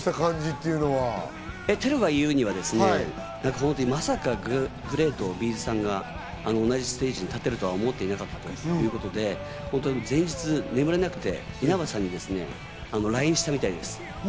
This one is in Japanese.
ＴＥＲＵが言うには、まさかＧＬＡＹとＢ’ｚさんが同じステージに立てるなんて思っていなかったということで、前日眠れなくて稲葉さんにＬＩＮＥしたみたいです。